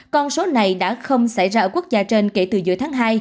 con số này đã không xảy ra ở quốc gia trên kể từ giữa tháng hai